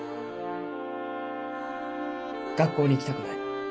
・学校に行きたくない。